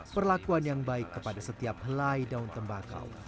perlakuan yang baik kepada setiap helai daun tembakau